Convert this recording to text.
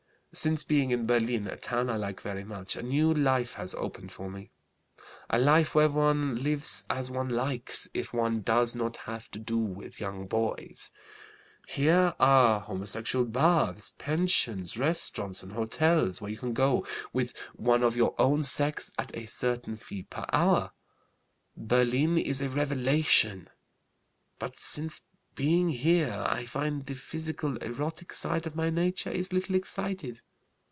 "Since being in Berlin, a town I like very much, a new life has opened for me, a life where one lives as one likes if one does not have to do with young boys. Here are homosexual baths, pensions, restaurants, and hotels, where you can go with one of your own sex at a certain fee per hour. Berlin is a revelation. But since being here I find the physical erotic side of my nature is little excited.